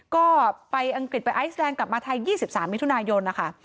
ก็ไปอังกฤษไปไอซแลนดกลับมาไทย๒๓มิถุนายนนะคะ